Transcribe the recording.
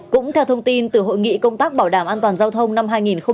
cũng theo thông tin từ hội nghị công tác bảo đảm an toàn giao thông năm hai nghìn một mươi chín